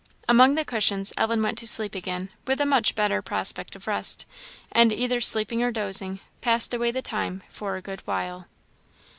Among the cushions Ellen went to sleep again with a much better prospect of rest; and either sleeping or dozing, passed away the time for a good while.